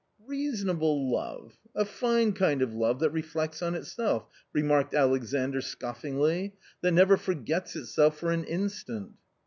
" Reasonable love ! a fine kind of love that reflects on itself!" remarked Alexandr scoffingly, "that never forgets itself for an instant."